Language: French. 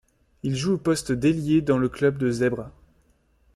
Il joue au poste d'ailier dans le club de Zebre.